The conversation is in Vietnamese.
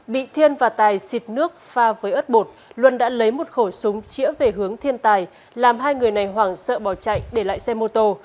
bị thiên và tài xịt nước pha với ớt bột luân đã lấy một khẩu súng chĩa về hướng thiên tài làm hai người này hoảng sợ bỏ chạy để lại xe mô tô